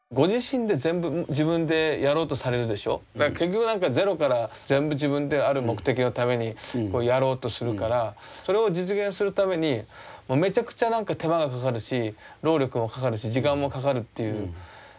だから結局なんかゼロから全部自分である目的のためにやろうとするからそれを実現するためにもうめちゃくちゃなんか手間がかかるし労力もかかるし時間もかかるっていうことをされてますよね。